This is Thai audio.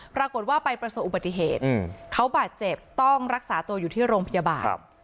ปรากฏว่าไปประสบอุบัติเหตุเขาบาดเจ็บต้องรักษาตัวอยู่ที่โรงพยาบาล